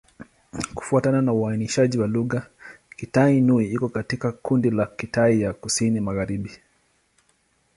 Kufuatana na uainishaji wa lugha, Kitai-Nüa iko katika kundi la Kitai ya Kusini-Magharibi.